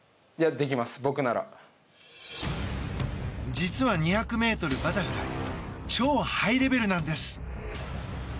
実は２００ｍバタフライ超ハイレベルなんです。